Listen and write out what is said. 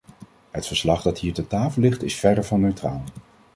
Het verslag dat hier ter tafel ligt is verre van neutraal.